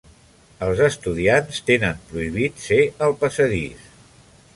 Els estudiants tenen prohibit ser al passadís.